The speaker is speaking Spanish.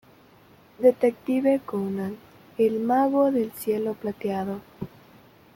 Detective Conan: El mago del cielo plateado